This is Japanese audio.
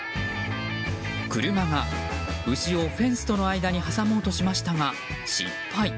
車が牛をフェンスとの間に挟もうとしましたが失敗。